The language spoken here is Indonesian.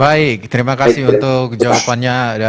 baik terima kasih untuk jawabannya